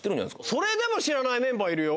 それでも知らないメンバーいるよ